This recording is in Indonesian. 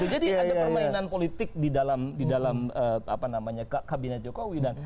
jadi ada permainan politik di dalam kabinet jokowi